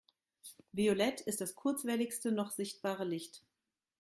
Violett ist das kurzwelligste noch sichtbare Licht.